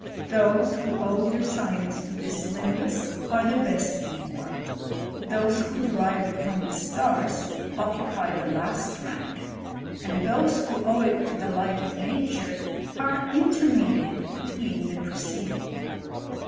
Those who owe their science to this limhus^ are the best informed ; those who derive it from the stars, occupy the last rank ; and those who owe it to the light of nature, are intermediate between the pre ceding.